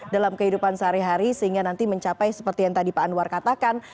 dalam kehidupan sehari hari sehingga nanti mencapai seperti yang tadi pak anwar katakan